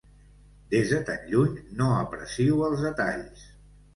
Des de tan lluny, no aprecio els detalls.